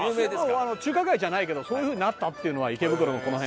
中華街じゃないけどそういう風になったっていうのは池袋のこの辺が。